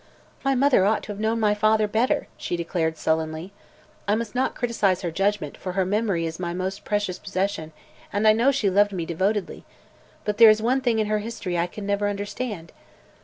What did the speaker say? "My mother ought to have known my father better," she declared sullenly. "I must not criticize her judgment, for her memory is my most precious possession and I know she loved me devotedly. But there is one thing in her history I can never understand."